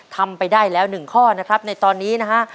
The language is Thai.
ทำไปได้แล้ว๑ข้อนะครับในตอนนี้นะฮะ